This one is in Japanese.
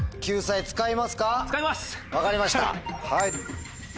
分かりました。